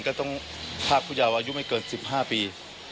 ก็ต้องพรากผู้ยาวอายุไม่เกิน๑๕ปี